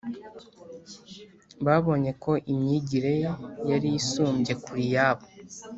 . Babonye ko imyigire Ye yari isumbye kure iyabo.